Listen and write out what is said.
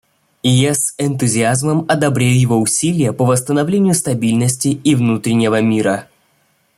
Я с энтузиазмом одобряю его усилия по восстановлению стабильности и внутреннего мира.